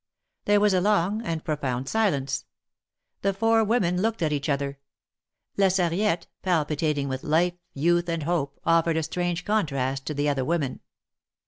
There was a long and profound silence. The four women looked at each other. La Sarriette, palpitating with life, youth, and hope, offered a strange contrast to the other women.